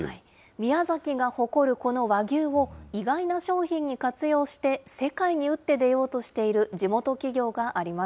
宮崎が誇るこの和牛を意外な商品に活用して、世界に打って出ようとしている地元企業があります。